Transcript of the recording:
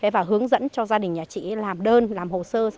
và hướng dẫn cho gia đình nhà chị làm đơn làm hồ sơ